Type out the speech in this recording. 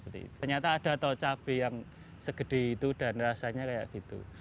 ternyata ada tau cabai yang segede itu dan rasanya kayak gitu